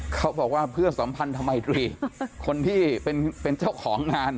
เขาบอกว่าเพื่อสัมพันธมัยตรีคนที่เป็นเจ้าของงาน